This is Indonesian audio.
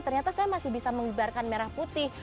ternyata saya masih bisa mengibarkan merah putih